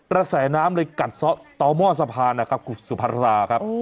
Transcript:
แสน้ำเลยกัดต่อหม้อสะพานนะครับคุณสุภาษาครับ